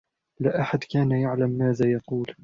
لا أحد كان يعلم ماذا يقول.